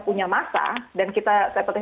punya masa dan kita seperti